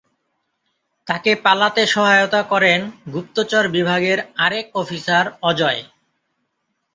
তাকে পালাতে সহায়তা করেন গুপ্তচর বিভাগের আরেক অফিসার অজয়।